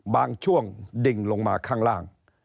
บางช่วงดิ่งลงมาข้างล่าง